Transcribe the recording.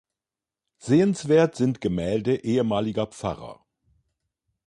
Sehenswert sind Gemälde ehemaliger Pfarrer